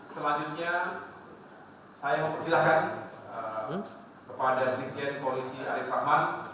selanjutnya saya mempersilahkan kepada brigjen polisi arief rahman